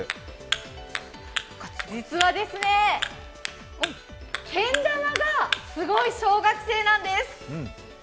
実はですね、けん玉がすごい中学生なんです。